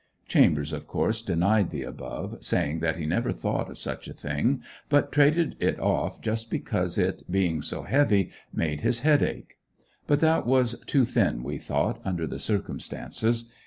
Chambers of course denied the above, saying that he never thought of such a thing, but traded it off just because it, being so heavy, made his head ache. But that was too thin we thought under the circumstances.